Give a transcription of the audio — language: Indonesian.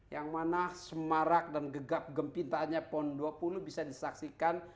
yang mana semarak dan gegap gempitaannya pon dua puluh bisa disaksikan